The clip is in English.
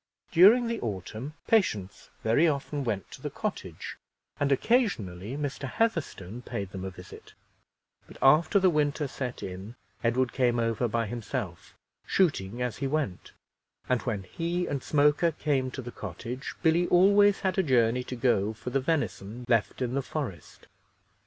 During the autumn, Patience very often went to the cottage, and occasionally Mr. Heatherstone paid them a visit; but after the winter set in, Edward came over by himself, shooting as he went; and when he and Smoker came to the cottage, Billy always had a journey to go for the venison left in the forest.